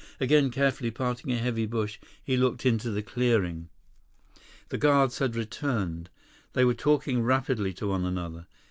Again carefully parting a heavy bush, he looked into the clearing. The guards had returned. They were talking rapidly to one another.